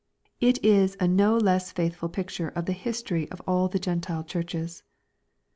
It is a no less faithful picture of the history of all the Gentile churches.